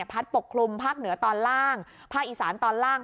ปกคลุมภาคเหนือตอนล่างภาคอีสานตอนล่าง